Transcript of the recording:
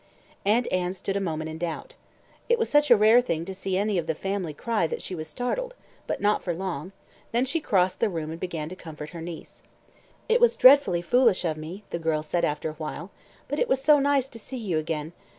Aunt Anne stood a moment in doubt. It was such a rare thing to see any of "the family" cry that she was startled but not for long; then she crossed the room and began to comfort her niece. "It was dreadfully foolish of me," the girl said after a while, "but it was so nice to see you again.